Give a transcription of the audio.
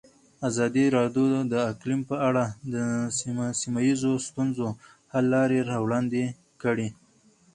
ازادي راډیو د اقلیم په اړه د سیمه ییزو ستونزو حل لارې راوړاندې کړې.